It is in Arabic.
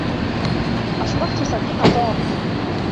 أصبحت صديق توم.